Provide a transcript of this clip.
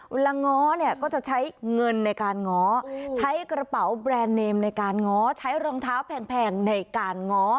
ง้อเนี่ยก็จะใช้เงินในการง้อใช้กระเป๋าแบรนด์เนมในการง้อใช้รองเท้าแพงในการง้อ